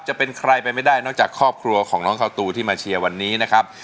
จะเป็นใครไปไม่ได้นอกจากครอบครัวของน้องข้าวตูที่มาเชียร์วันนี้นะครับ